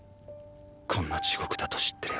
こんな地獄だと知っ